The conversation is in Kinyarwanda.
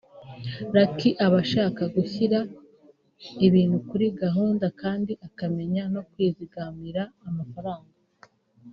Luc abasha gushyira ibintu kuri gahunda kandi akamenya no kwizigamira amafaranga